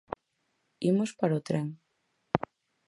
Imos para o tren.